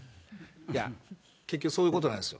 いや、結局、そういうことなんですよ。